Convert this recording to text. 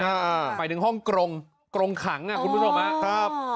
หมายถึงฮ่องกรงกรงขังอ่ะคุณผู้ชมครับ